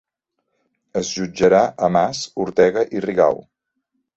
Es jutjarà a Mas, Ortega i Rigau